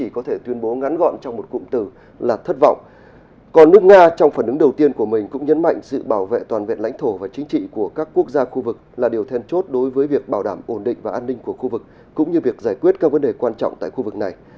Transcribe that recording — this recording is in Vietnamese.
còn nước nga trong phản ứng đầu tiên của mình cũng nhấn mạnh sự bảo vệ toàn vẹn lãnh thổ và chính trị của các quốc gia khu vực là điều then chốt đối với việc bảo đảm ổn định và an ninh của khu vực cũng như việc giải quyết các vấn đề quan trọng tại khu vực này